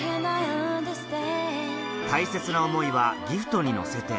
大切な思いはギフトに乗せて